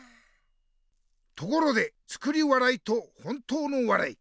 ところで「作り笑い」と「本当の笑い」